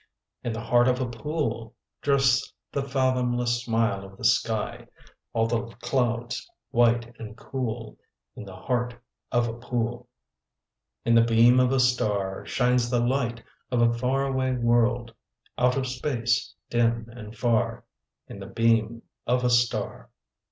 In the heart of a pool Drifts the fathomless smile of the sky, All the clouds white and cool, In the heart of a pool. In the beam of a star Shines the light of a far away world, Out of space, dim and far, In the beam of a star.